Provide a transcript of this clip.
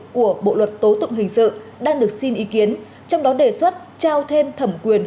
của bộ luật tố tụng hình sự đang được xin ý kiến trong đó đề xuất trao thêm thẩm quyền